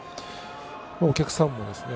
お客さんもですね